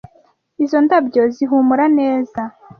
Izo ndabyo zihumura neza.